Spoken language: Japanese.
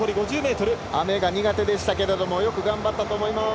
雨が苦手でしたけどもよく頑張ったと思います。